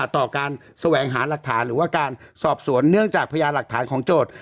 ต่อการแสวงหาหลักฐานหรือว่าการสอบสวนเนื่องจากพยานหลักฐานของโจทย์